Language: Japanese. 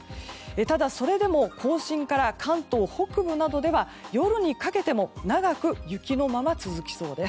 ただ、それでも甲信から関東北部などでは夜にかけても長く雪のまま続きそうです。